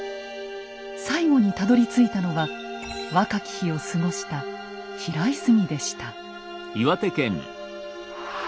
最後にたどりついたのは若き日を過ごした平泉でした。